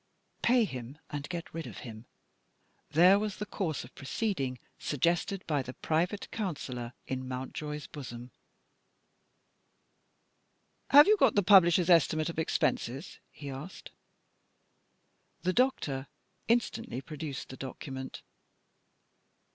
Pay him and get rid of him. There was the course of proceeding suggested by the private counsellor in Mountjoy's bosom. "Have you got the publisher's estimate of expenses?" he asked. The doctor instantly produced the document.